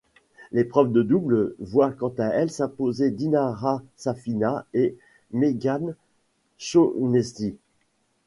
L'épreuve de double voit quant à elle s'imposer Dinara Safina et Meghann Shaughnessy.